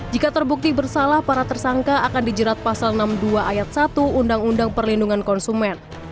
jika terbukti bersalah para tersangka akan dijerat pasal enam puluh dua ayat satu undang undang perlindungan konsumen